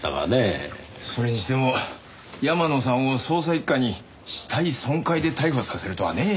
それにしても山野さんを捜査一課に死体損壊で逮捕させるとはね。